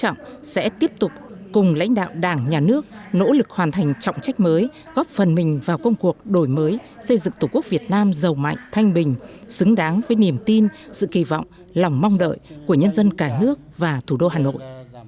tổng bí thư nguyễn phú trọng sẽ tiếp tục cùng lãnh đạo đảng nhà nước nỗ lực hoàn thành trọng trách mới góp phần mình vào công cuộc đổi mới xây dựng tổ quốc việt nam giàu mạnh thanh bình xứng đáng với niềm tin sự kỳ vọng lòng mong đợi của nhân dân cả nước và thủ đô hà nội